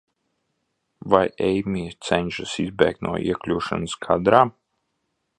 Vai Eimija cenšas izbēgt no iekļūšanas kadrā?